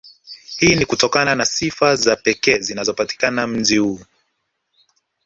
Hii ni kutokana na sifa za pekee zinazopatikana mji huu